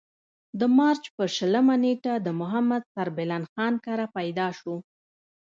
د مارچ پۀ شلمه نېټه د محمد سربلند خان کره پېدا شو ۔